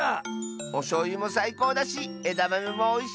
おしょうゆもさいこうだしえだまめもおいしいし